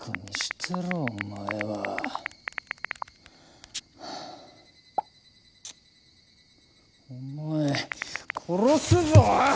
てろお前は。お前殺すぞ！